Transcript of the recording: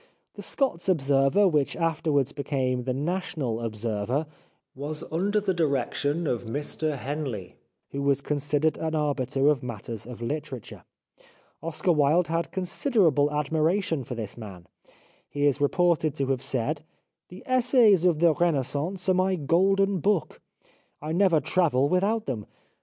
The Scots Observer, which afterwards became The National Observer, was under the direction of Mr Henley, who was considered an arbiter in matters of literature. Oscar Wilde had considerable admiration for this man. He is reported to have said :" The Essays of the Renaissance are my Golden Book. I never travel without them.